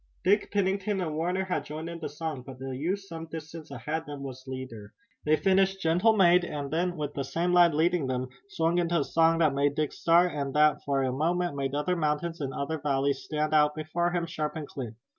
Dick, Pennington and Warner had joined in the song, but the youth some distance ahead of them was leader. They finished "Gentle Maid" and then, with the same lad leading them, swung into a song that made Dick start and that for a moment made other mountains and another valley stand out before him, sharp and clear.